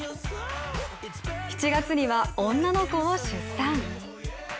７月には女の子を出産。